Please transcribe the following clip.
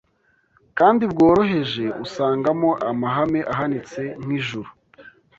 kandi bworoheje usangamo amahame ahanitse nk’ijuru